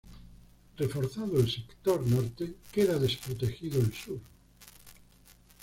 Reforzado el sector norte queda desprotegido el sur.